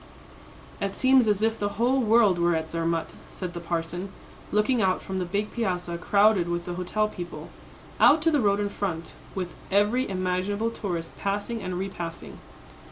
"It seems as if the whole world were at Zermatt," said the parson, looking out from the big piazza crowded with the hotel people, out to the road in front, with every imaginable tourist passing and repassing.